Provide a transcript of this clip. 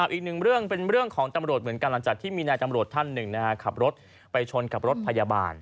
อีกหนึ่งเรื่องเป็นเรื่องของตำรวจเหมือนกันหลังจากที่มีนายตำรวจท่านหนึ่งขับรถไปชนกับรถพยาบาล